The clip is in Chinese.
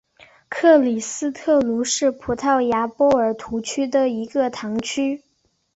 克里斯特卢是葡萄牙波尔图区的一个堂区。